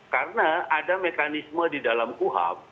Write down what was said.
karena ada mekanisme di dalam kuhab